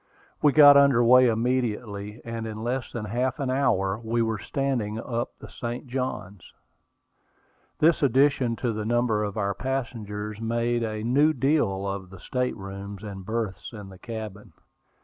We got under way immediately, and in less than half an hour we were standing up the St. Johns. This addition to the number of our passengers made "a new deal" of the state rooms and berths in the cabin.